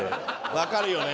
わかるよね。